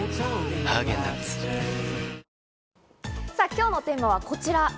今日のテーマはこちら。